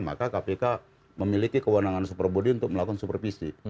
maka kpk memiliki kewenangan superbudi untuk melakukan supervisi